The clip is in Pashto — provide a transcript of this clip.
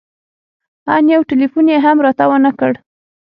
ان يو ټېلفون يې هم راته ونه کړ.